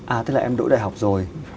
à tức là em đổi đại học với em